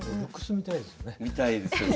みたいですよね。